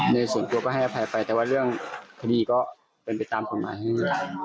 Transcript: ในส่วนตัวก็ให้อภัยไปแต่ว่าเรื่องคดีก็เป็นไปตามกฎหมายนี่แหละ